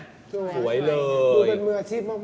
สวยเลยคือเป็นมืออาชีพมาก